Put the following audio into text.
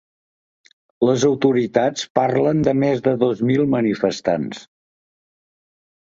Les autoritats parlen de més de dos mil manifestants.